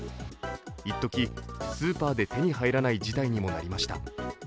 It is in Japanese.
一時スーパーで手に入らない事態にもなりました。